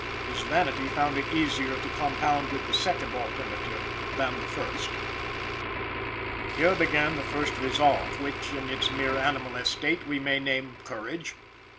His vanity found it easier to compound with the second alternative than the first. Here began the first resolve, which, in its mere animal estate, we may name courage.